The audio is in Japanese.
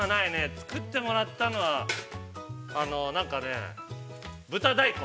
作ってもらったのはあのー何かね、豚大根。